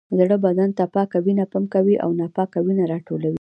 زړه بدن ته پاکه وینه پمپ کوي او ناپاکه وینه راټولوي